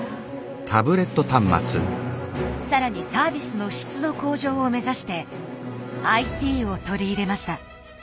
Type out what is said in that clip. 更にサービスの質の向上を目指してＩＴを取り入れました。